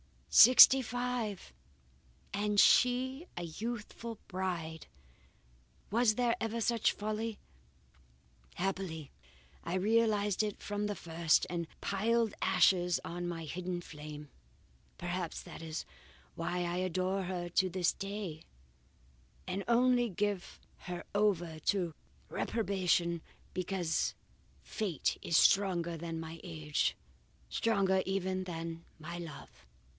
Sixty five! and she a youthful bride! Was there ever such folly! Happily I realized it from the first, and piled ashes on my hidden flame. Perhaps that is why I adore her to this day and only give her over to reprobation because Fate is stronger than my age stronger even than my love.